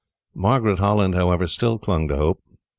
Margaret Holland, however, still clung to hope.